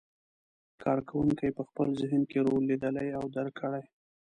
کار کوونکي په خپل ذهن کې رول لیدلی او درک کړی.